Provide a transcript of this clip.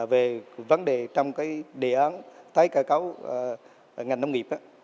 về vấn đề trong đề án tái cơ cấu ngành nông nghiệp